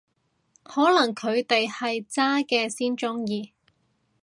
可能佢哋係渣嘅先鍾意